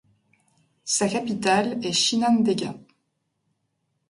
Sa capitale est Chinandega.